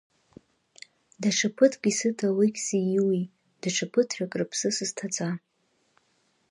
Даҽа ԥыҭк исыҭ Алықьсеи Иуеи, даҽа ԥыҭрак рыԥсы сызҭаҵа!